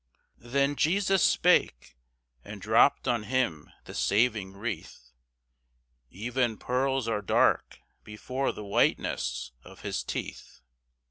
Then Jesus spake, and dropped on him the saving wreath: "Even pearls are dark before the whiteness of his teeth."